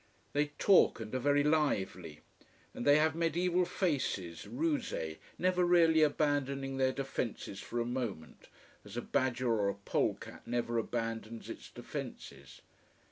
They talk and are very lively. And they have mediaeval faces, rusé, never really abandoning their defences for a moment, as a badger or a pole cat never abandons its defences.